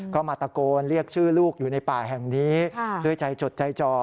ก็มาตะโกนเรียกชื่อลูกอยู่ในป่าแห่งนี้ด้วยใจจดใจจ่อ